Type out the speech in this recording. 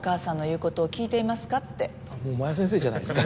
もう真矢先生じゃないですか。